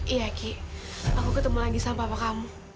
iya ki aku ketemu lagi sama kamu